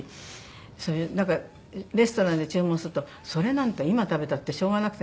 それでレストランで注文すると「それなんて今食べたってしょうがなくて」。